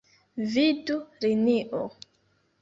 Vidu linio.